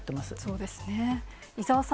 そうですね。